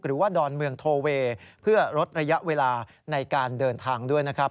ดอนเมืองโทเวย์เพื่อลดระยะเวลาในการเดินทางด้วยนะครับ